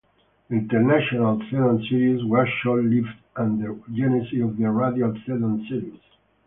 The "International Sedan Series" was short-lived and the genesis of the "Radial Sedan Series".